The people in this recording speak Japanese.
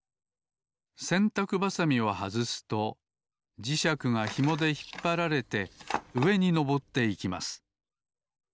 せんたくばさみをはずすと磁石がひもでひっぱられてうえにのぼっていきます。